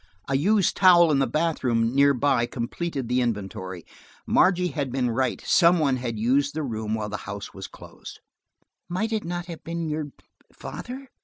A used towel in the bath room near by completed the inventory; Margery had been right; some one had used the room while the house was closed. "Might it not have been your–father?"